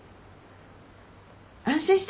安心して。